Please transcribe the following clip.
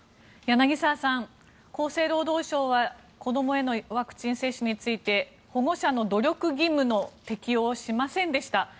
柳澤さん、厚生労働省は子どもへのワクチン接種について保護者の努力義務の適用をしませんでした。